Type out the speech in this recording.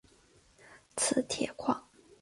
磁铁矿。